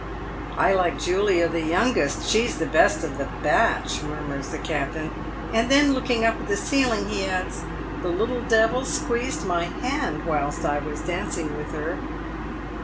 " I like Julia, the youngest — she is the best of the batch," murmurs the captain ; and then, looking up at the ceiling, he adds, " The little devil squeezed my hand whilst I was dancing with her."